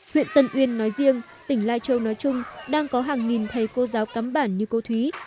huyện tân uyên nói riêng tỉnh lai châu nói chung đang có hàng nghìn thầy cô giáo cắm bản như cô thúy